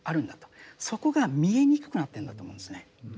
そこが見えにくくなってるんだと思うんですね。